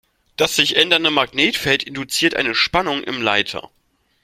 Das sich ändernde Magnetfeld induziert eine Spannung im Leiter.